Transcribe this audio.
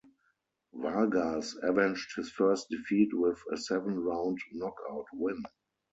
Vargas avenged his first defeat with a seven-round knockout win.